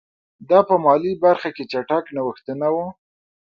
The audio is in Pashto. دا په مالي برخه کې چټک نوښتونه وو.